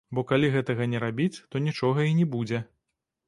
Бо калі гэтага не рабіць, то нічога і не будзе.